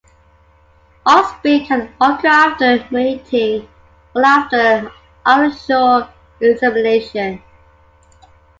Offspring can occur after mating or after artificial insemination.